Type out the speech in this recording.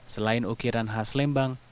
selain ukiran khas lembang